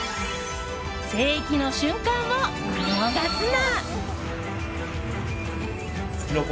世紀の瞬間を見逃すな！